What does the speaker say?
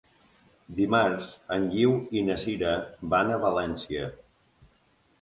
Dimarts en Guiu i na Sira van a València.